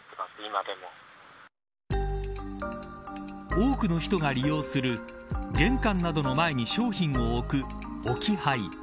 多くの人が利用する玄関などの前に商品を置く置き配。